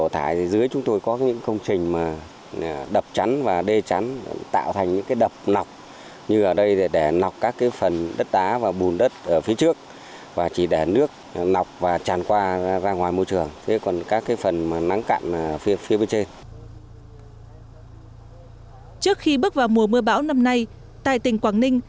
trước khi bước vào mùa mưa bão năm nay tại tỉnh quảng ninh